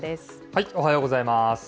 おはようございます。